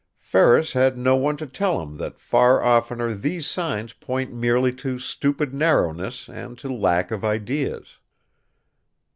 Ferris had no one to tell him that far oftener these signs point merely to stupid narrowness and to lack of ideas.